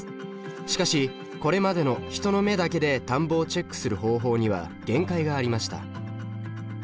しかしこれまでの人の目だけで田んぼをチェックする方法には限界がありました。